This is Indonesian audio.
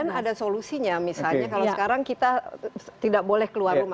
dan ada solusinya misalnya kalau sekarang kita tidak boleh keluar rumah